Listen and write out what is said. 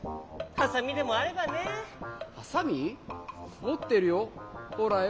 ハサミ？もってるよ。ほらよ。